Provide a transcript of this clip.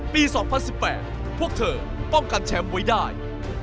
๒๐๑๘พวกเธอป้องกันแชมป์ไว้ได้